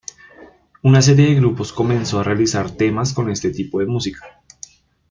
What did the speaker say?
Una serie de grupos comenzó a realizar temas con este tipo de música.